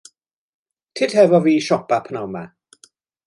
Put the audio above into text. Tyd efo fi i siopio p'nawn 'ma.